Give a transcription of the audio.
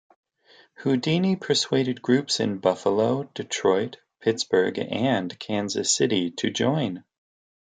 Houdini persuaded groups in Buffalo, Detroit, Pittsburgh, and Kansas City to join.